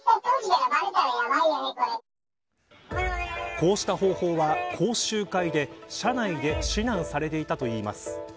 こうした方法は講習会で社内で指南されていたといいます。